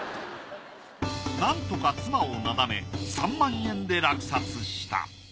なんとか妻をなだめ３万円で落札した。